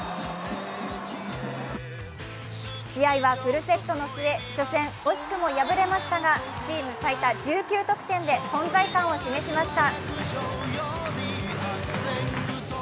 試合はフルセットの末、初戦、惜しくも敗れましたがチーム最多１９得点で存在感を示しました。